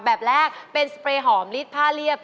แบบแรกเป็นสเปรย์หอมรีดผ้าเรียบ